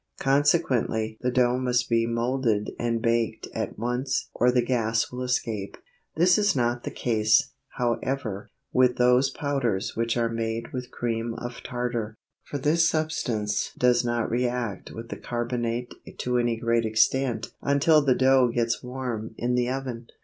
Consequently the dough must be moulded and baked at once or the gas will escape. This is not the case, however, with those powders which are made with cream of tartar, for this substance does not react with the carbonate to any great extent until the dough gets warm in the oven.